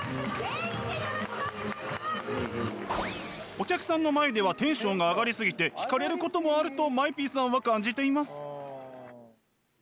お客さんの前ではテンションが上がり過ぎて引かれることもあるとＭＡＥＰさんは感じてます。